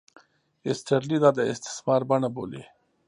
ایسټرلي دا د استثمار بڼه بولي.